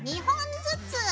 ２本ずつ。